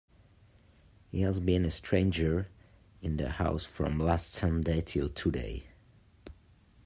He has been a stranger in the house from last Sunday till today.